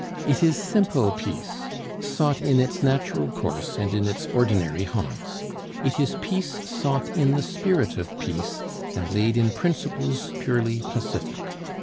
It is simple Peace, sought in its natural course and in its ordinary haunts. It is Peace sought in the spirit of Peace, and laid in principles purely pacific.